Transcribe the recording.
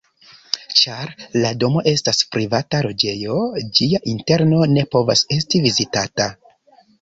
Ĉar la domo estas privata loĝejo, ĝia interno ne povas esti vizitata.